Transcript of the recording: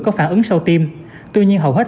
có phản ứng sau tiêm tuy nhiên hầu hết